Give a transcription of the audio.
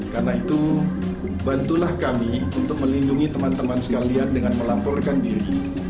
karena itu bantulah kami untuk melindungi teman teman sekalian dengan melaporkan diri